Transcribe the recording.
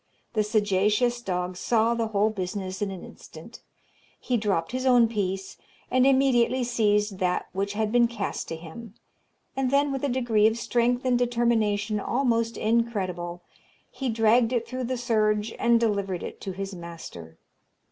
The sagacious dog saw the whole business in an instant; he dropped his own piece, and immediately seized that which had been cast to him; and then, with a degree of strength and determination almost incredible, he dragged it through the surge and delivered it to his master.